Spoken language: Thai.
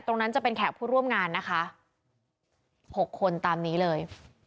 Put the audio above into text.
ตรงนั้นจะเป็นแขกผู้ร่วมงานนะคะ๖คนตามนี้เลย